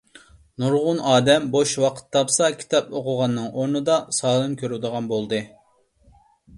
نۇرغۇن ئادەم بوش ۋاقىت تاپسا كىتاپ ئوقۇغاننىڭ ئورنىدا سالۇن كۆرىدىغان بولدى.